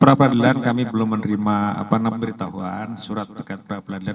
terkait perapradilan kami belum menerima enam peritahuan surat terkait perapradilan